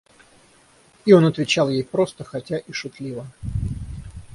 И он отвечал ей просто, хотя и шутливо.